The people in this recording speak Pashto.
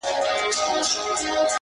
چي دا د نورستان او نورو کوچنيو ولاياتو